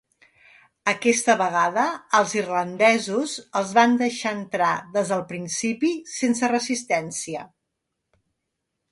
Aquesta vegada els irlandesos els van deixar entrar des del principi sense resistència.